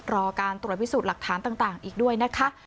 รอการตรวจพิสูจน์หลักฐานต่างอีกด้วยนะคะ